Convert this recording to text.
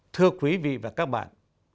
thưa quý vị và các bạn